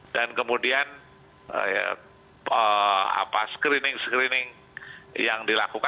dan kemudian screening screening yang dilakukan